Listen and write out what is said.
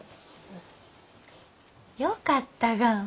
よかったがん。